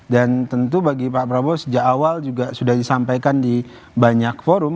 dan tentu bagi pak prabowo sejak awal juga sudah disampaikan di banyak forum